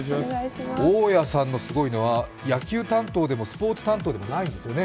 大家さんのすごいのは野球担当でも、スポーツ担当でもないんですよね。